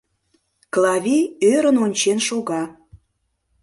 Клавий ӧрын ончен шога.